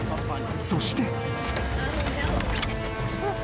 ［そして］